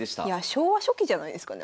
昭和初期じゃないですかね